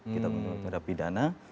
kita menghadapi dana